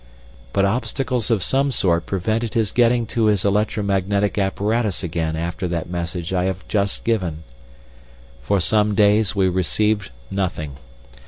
But obstacles of some sort prevented his getting to his electromagnetic apparatus again after that message I have just given. For some days we received nothing.